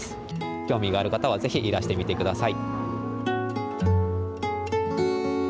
興味がある方はぜひいらしてみてください。